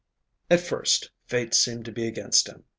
At first fate seemed to be against him.